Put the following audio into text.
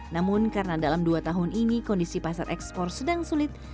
namun karena dalam dua tahun ini kondisi pasar ekspor sedang sulit